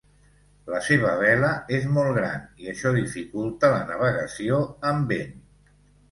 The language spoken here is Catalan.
La seva vela és molt gran i això dificulta la navegació amb vent.